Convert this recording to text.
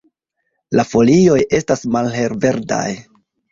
La folioj estas malhelverdaj.